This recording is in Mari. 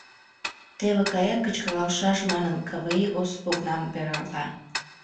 — Теве кая, кычкыралшаш, — манын, Каврий Осып окнам пералта.